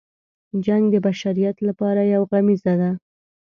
جنګ د بشریت لپاره یو غمیزه ده.